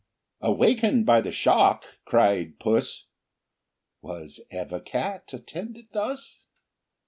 Awakened by the shock (cried puss) "Was ever cat attended thus!